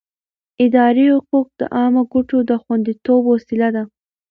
اداري حقوق د عامه ګټو د خوندیتوب وسیله ده.